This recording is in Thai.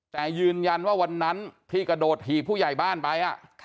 แต่ยืนยันว่าวันนั้นที่กระโดดถีบผู้ใหญ่บ้านไป